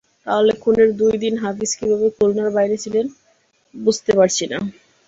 তাহলে খুনের দুই দিন হাফিজ কীভাবে খুলনার বাইরে ছিলেন বুঝতে পারছি না।